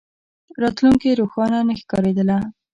راتلونکې روښانه نه ښکارېدله.